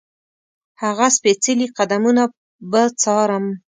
هغه سپېڅلي قدمونه به څارم.